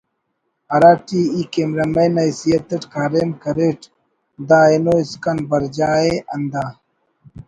ہراٹی ای کیمرہ مین نا حیثیت اٹ کاریم کریٹ دا اینو اسکان برجا ءِ ہندا